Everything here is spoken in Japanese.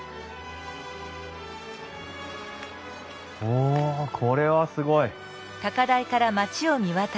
おこれはすごい。